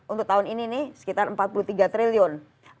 untuk tahun ini nih sekitar empat puluh tiga triliun